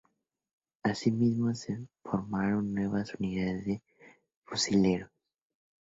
Asimismo, se formaron nuevas unidades de fusileros.